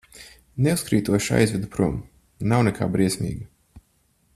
Neuzkrītoši aizvedu prom, nav nekā briesmīga.